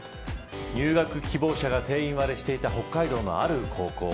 入学希望者が定員割れしていた北海道のある高校。